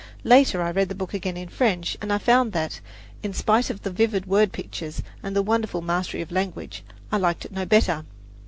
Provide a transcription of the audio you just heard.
Later I read the book again in French, and I found that, in spite of the vivid word pictures, and the wonderful mastery of language, I liked it no better.